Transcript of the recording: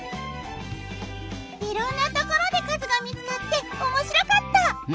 いろんなところでかずがみつかっておもしろかった！